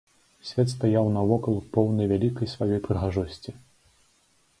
Свет стаяў навокал, поўны вялікай сваёй прыгажосці.